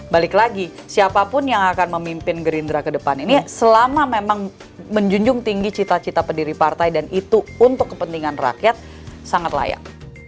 balik lagi siapapun yang akan memimpin gerindra ke depan ini selama memang menjunjung tinggi cita cita pendiri partai dan itu untuk kepentingan rakyat sangat layak